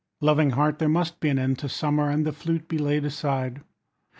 Loving Heart, There must be an end to summer, And the flute be laid aside.